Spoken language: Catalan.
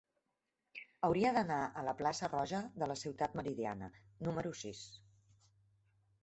Hauria d'anar a la plaça Roja de la Ciutat Meridiana número sis.